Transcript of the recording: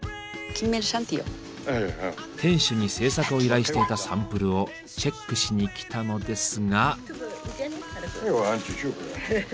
店主に制作を依頼していたサンプルをチェックしにきたのですが。